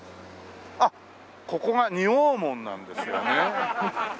あっここが二王門なんですよね。